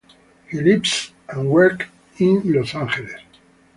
He lives and works in Los Angeles.